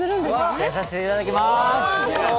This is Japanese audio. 出演させていただきます。